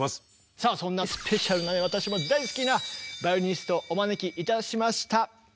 さあそんなスペシャルな私も大好きなバイオリニストお招きいたしました。